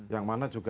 yang mana juga